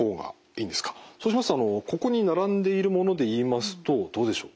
そうしますとここに並んでいるものでいいますとどうでしょう？